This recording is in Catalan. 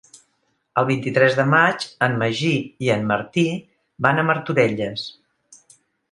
El vint-i-tres de maig en Magí i en Martí van a Martorelles.